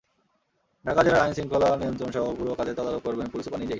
ঢাকা জেলার আইন শৃঙ্খলা নিয়ন্ত্রণসহ পুরো কাজের তদারক করবেন পুলিশ সুপার নিজেই।